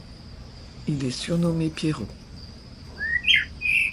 Il est surnommé Pierrot.